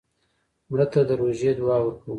مړه ته د روژې دعا ورکوو